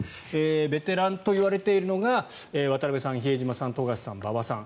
ベテランといわれているのが渡邊さん、比江島さん、富樫さん馬場さん。